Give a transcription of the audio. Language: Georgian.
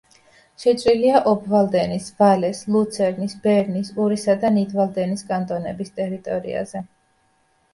შეჭრილია ობვალდენის, ვალეს, ლუცერნის, ბერნის, ურისა და ნიდვალდენის კანტონების ტერიტორიაზე.